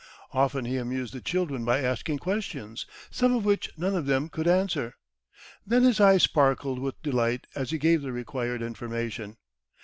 Often he amused the children by asking questions, some of which none of them could answer. Then his eyes sparkled with delight as he gave the required information.